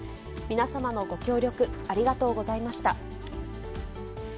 皆様のご協力、ありがとうございました。